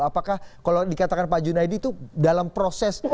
apakah kalau dikatakan pak junaidi itu dalam proses